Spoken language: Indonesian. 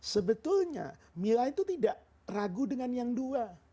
sebetulnya mila itu tidak ragu dengan yang dua